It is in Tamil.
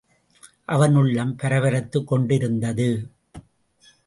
அவன் உள்ளம் பரபரத்துக் கொண்டிருந்தது.